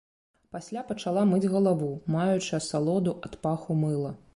Пасля пачала мыць галаву, маючы асалоду ад паху мыла.